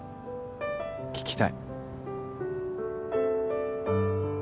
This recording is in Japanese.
聞きたい。